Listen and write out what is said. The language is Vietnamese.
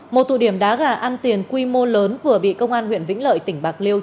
một tụ điểm đá gà ăn tiền quy mô lớn vừa bị công an huyện vĩnh lợi tỉnh bạc liêu